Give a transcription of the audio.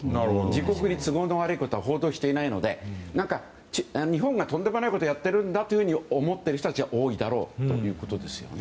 自国に都合の悪いことは報道していないので日本がとんでもないことをやっているんだと思っている人たちが多いだろうということですよね。